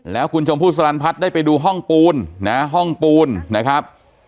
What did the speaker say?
แล้วคุณชมพู่สลันพัฒน์ได้ไปดูห้องปูนนะห้องปูนนะครับ